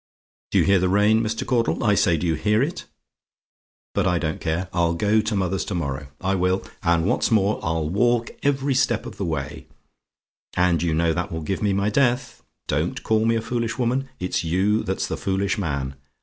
"Do you hear the rain, Mr. Caudle? I say, do you hear it? But I don't care I'll go to mother's to morrow: I will; and what's more, I'll walk every step of the way, and you know that will give me my death. Don't call me a foolish woman, it's you that's the foolish man.